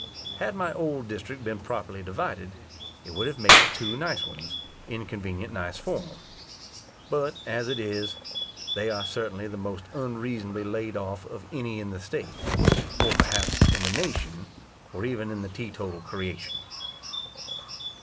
Had my old district been properly divided, it would have made two nice ones, in convenient nice form. But as it is, they are certainly the most unreasonably laid off of any in the state, or perhaps in the nation, or even in the te total creation.